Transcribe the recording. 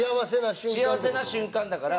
幸せな瞬間だから。